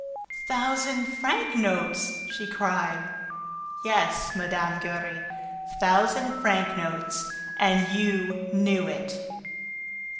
"Thousand franc notes!" she cried. "Yes, Mme. Giry, thousand franc notes! And you knew it!"